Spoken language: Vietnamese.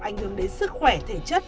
ảnh hưởng đến sức khỏe thể chất